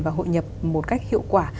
và hội nhập một cách hiệu quả